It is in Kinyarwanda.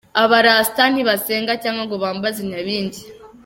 Aba-Rasta ntibasenga cyangwa ngo bambaze Nyabingi.